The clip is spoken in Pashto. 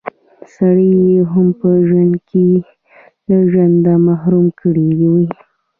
سړی يې هم په ژوند کښې له ژونده محروم کړی وي